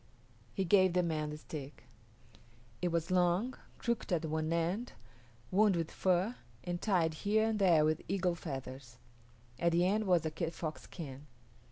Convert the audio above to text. He gave the man the stick. It was long, crooked at one end, wound with fur, and tied here and there with eagle feathers. At the end was a kit fox skin.